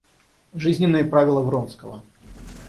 Жизненные правила Вронского.